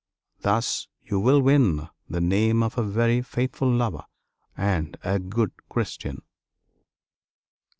Thus you will win the name of a very faithful lover and a good Christian."